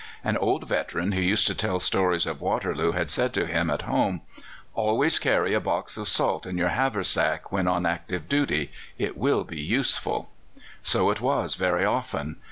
An old veteran who used to tell stories of Waterloo had said to him at home: "Always carry a box of salt in your haversack when on active service: it will be useful." So it was very often.